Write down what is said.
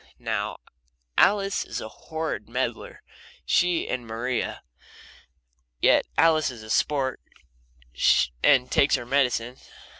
Now Alice is a horrid meddler she and Maria. Yet Alice is a sport, and takes her medicine.